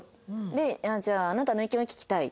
で「じゃああなたの意見は聞きたい」。